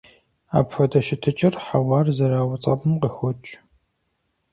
Апхуэдэ щытыкӏэр хьэуар зэрауцӀэпӀым къыхокӀ.